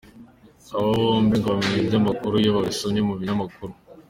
Aba bombi ngo bamenya iby’aya makuru iyo babisomye mu binyamakuru.